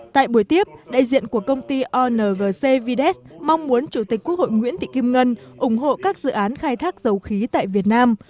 tại buổi tiếp đại diện của công ty ongc vdes mong muốn chủ tịch quốc hội nguyễn thị kim ngân ủng hộ các dự án khai thác dầu khí tại việt nam